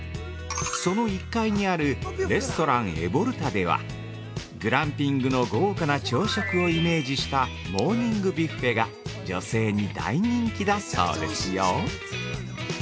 その１階にある「レストランエボルタ」ではグランピングの豪華な朝食をイメージしたモーニングビュッフェが女性に大人気だそうですよ。